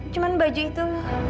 cuman baju itu